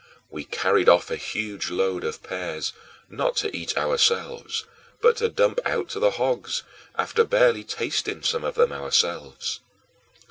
We carried off a huge load of pears, not to eat ourselves, but to dump out to the hogs, after barely tasting some of them ourselves.